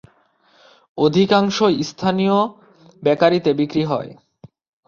অধিকাংশ স্থানীয় বেকারিতে বিক্রি হয়।